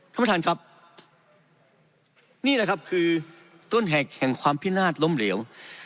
ท่านประธานครับนี่แหละครับคือต้นเหตุแห่งความพินาศล้มเหลว